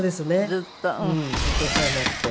ずっとお世話になって。